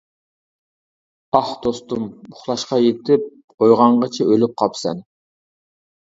ئاھ، دوستۇم، ئۇخلاشقا يېتىپ، ئويغانغىچە ئۆلۈپ قاپسەن.